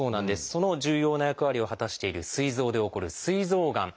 その重要な役割を果たしているすい臓で起こるすい臓がん。